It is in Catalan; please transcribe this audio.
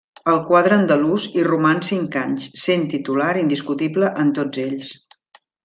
Al quadre andalús hi roman cinc anys, sent titular indiscutible en tots ells.